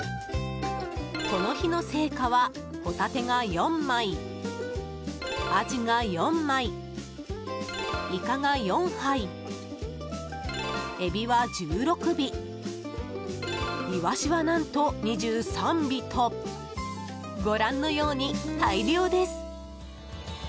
この日の成果はホタテが４枚、アジが４枚イカが４杯、エビは１６尾イワシは何と２３尾とご覧のように大漁です。